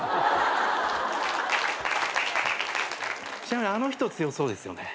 ちなみにあの人強そうですよね。